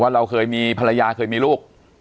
เราเคยมีภรรยาเคยมีลูก